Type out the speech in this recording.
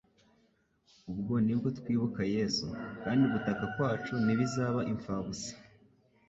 Ubwo nibwo twibuka Yesu, kandi Gutaka kwacu ntikuzaba imfabusa.